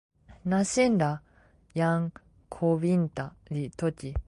nasin la jan Kowinta li toki.